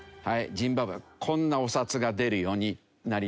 ジンバブエでこんなお札が出るようになりまして。